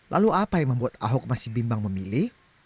lalu apa yang membuat ahok masih bimbang memilih